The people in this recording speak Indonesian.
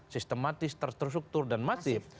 sistematis terstruktur dan masif